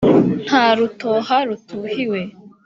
Nta rutoha rutuhiwe